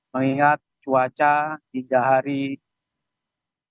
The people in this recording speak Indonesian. mengingat cuaca hingga hari ini